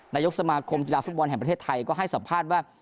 นายกสมาคมกีฬาฟุตบอลแห่งประเทศไทยก็ให้สัมภาษณ์ว่า